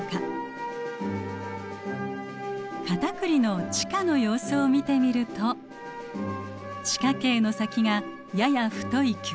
カタクリの地下の様子を見てみると地下茎の先がやや太い球根になっています。